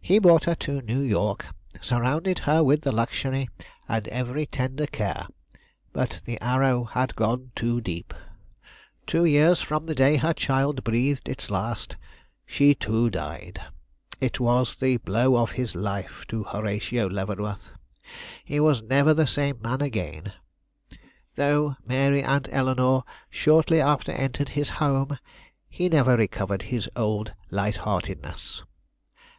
He brought her to New York, surrounded her with luxury and every tender care, but the arrow had gone too deep; two years from the day her child breathed its last, she too died. It was the blow of his life to Horatio Leavenworth; he was never the same man again. Though Mary and Eleanore shortly after entered his home, he never recovered his old light heartedness.